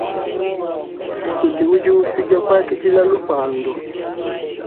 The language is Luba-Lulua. Kudi udi upidia kuakidila lupandu.